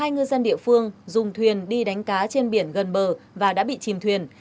hai ngư dân địa phương dùng thuyền đi đánh cá trên biển gần bờ và đã bị chìm thuyền